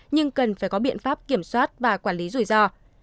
nhưng cần phải có biện pháp kiểm soát và quản lý rủi ro